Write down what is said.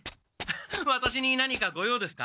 ワタシに何かご用ですか？